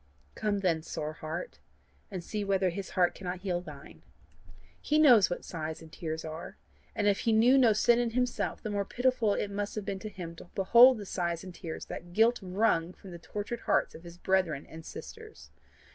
"Come then, sore heart, and see whether his heart cannot heal thine. He knows what sighs and tears are, and if he knew no sin in himself, the more pitiful must it have been to him to behold the sighs and tears that guilt wrung from the tortured hearts of his brethren and sisters.